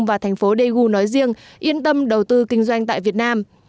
và thành phố daegu nói riêng yên tâm đầu tư kinh doanh tại việt nam